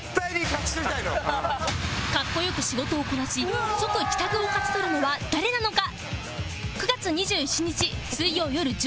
格好良く仕事をこなし即帰宅を勝ち取るのは誰なのか？